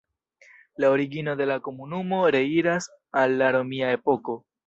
La origino de la komunumo reiras al la romia epoko.